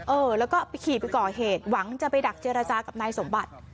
เออแล้วก็ไปขี่ไปก่อเหตุหวังจะไปดักเจรจากับนายสมบัติ